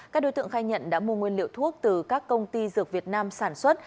các đối tượng khai nhận đã mua nguyên liệu thuốc từ các công ty dược việt nam sản xuất